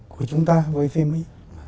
của chúng ta với phía mỹ